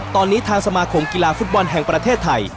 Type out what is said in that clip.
ตอนนี้ทางสมาคมกีฬาฟุตบอลแห่งประเทศไทย